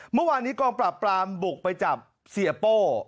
เมื่อวานนี้กองปราบปรามบุกไปจับเสียโป้